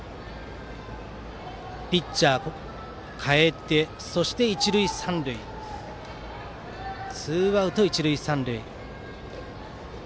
ピッチャーを代えてそしてツーアウト、一塁三塁。